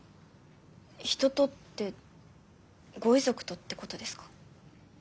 人とってご遺族とってことですか？